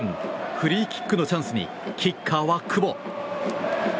フリーキックのチャンスにキッカーは久保。